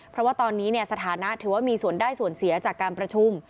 เพราะว่าตอนนี้สถานะถือว่ามีส่วนได้ส่วนเสียจากการประชุม